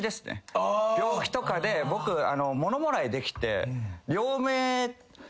病気とかで僕ものもらいできて。